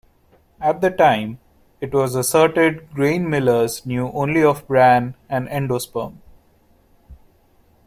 At the time, it was asserted grain millers knew only of bran and endosperm.